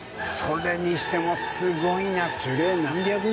それにしてもすごいな。